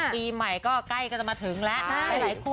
ปีใหม่อย่าให้กี่ต่อมาถึงแล้ว